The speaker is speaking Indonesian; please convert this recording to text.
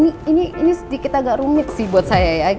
ini sedikit agak rumit sih buat saya ya